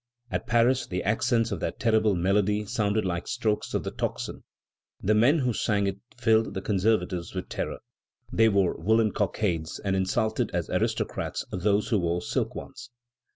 At Paris the accents of that terrible melody sounded like strokes of the tocsin. The men who sang it filled the conservatives with terror. They wore woollen cockades and insulted as aristocrats those who wore silk ones.